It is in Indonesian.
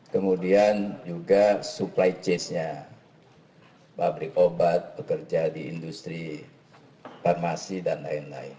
kemudian juga supply chase nya pabrik obat pekerja di industri farmasi dan lain lain